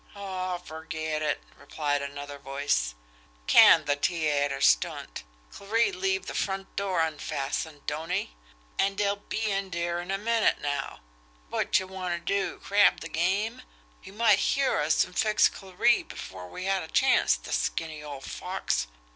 "Aw, ferget it!" replied another voice. "Can the tee ayter stunt! Clarie leaves the front door unfastened, don't he? An' dey'll be in dere in a minute now. Wotcher want ter do? Crab the game? He might hear us an' fix Clarie before we had a chanst, the skinny old fox!